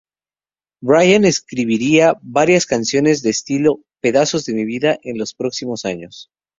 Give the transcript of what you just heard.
Brian escribiría varias canciones de estilo "pedazos de mi vida" en los próximos años.